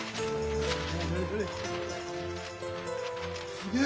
すげえ！